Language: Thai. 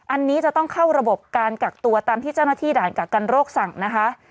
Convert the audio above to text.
อันนี้จะต้องเข้าระบบการกักตัวตามที่เจ้าหน้าที่ด่านกักกันโรคสั่งนะคะ